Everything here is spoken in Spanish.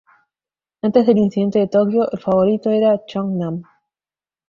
Antes del incidente de Tokio, el favorito era Jong-nam.